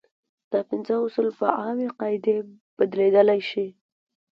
دا پنځه اصول په عامې قاعدې بدلېدلی شي.